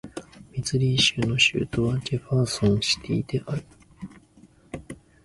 ミズーリ州の州都はジェファーソンシティである